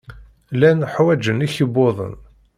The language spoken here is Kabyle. Llan ḥwajen ikebbuḍen.